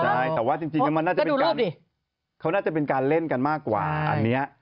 ใช่แต่ว่าจริงแล้วมันน่าจะเป็นการเขาน่าจะเป็นการเล่นกันมากกว่าอันนี้